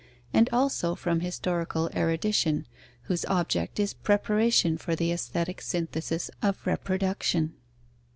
and also from historical erudition, whose object is preparation for the Aesthetic synthesis of reproduction.